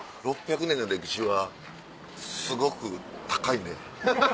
６００年の歴史はすごく高いね。